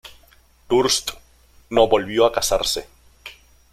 Durst no volvió a casarse